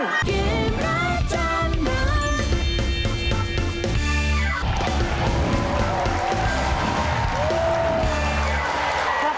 น่าจะอยู่ที่นี่